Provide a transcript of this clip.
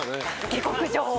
下克上を。